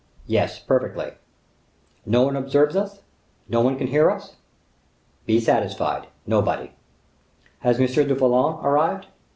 "Yes, perfectly." "No one observes us?—no one can hear us?" "Be satisfied; nobody." "Is M. du Vallon arrived?"